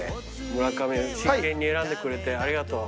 村上真剣に選んでくれてありがとう。